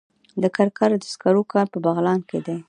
د کرکر د سکرو کان په بغلان کې دی